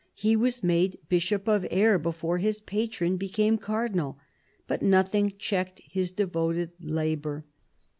He was made Bishop of Aire before his patron became Cardinal, but nothing checked his devoted labour.